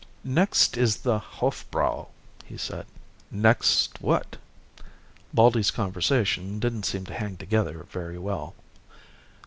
"Next is the Hofbräu," he said. "Next what?" Baldy's conversation didn't seem to hang together very well.